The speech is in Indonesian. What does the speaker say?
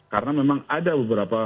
karena memang ada beberapa